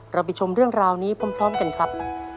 ไปชมเรื่องราวนี้พร้อมกันครับ